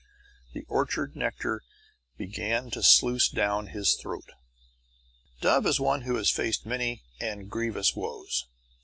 The orchard nectar began to sluice down his throat. Dove is one who has faced many and grievous woes.